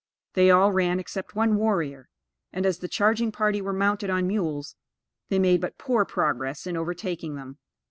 They all ran except one warrior, and as the charging party were mounted on mules, they made but poor progress in overtaking them.